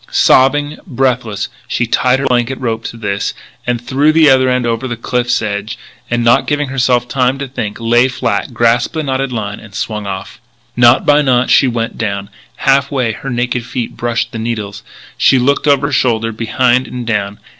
Sobbing, breathless, she tied her blanket rope to this, threw the other end over the cliff's edge, and, not giving herself time to think, lay flat, grasped the knotted line, swung off. Knot by knot she went down. Half way her naked feet brushed the needles. She looked over her shoulder, behind and down.